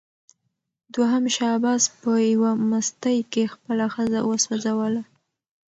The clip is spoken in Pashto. دوهم شاه عباس په یوه مستۍ کې خپله ښځه وسوځوله.